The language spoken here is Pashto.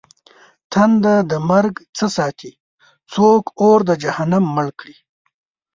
تنده د مرگ څه ساتې؟! څوک اور د جهنم مړ کړي؟!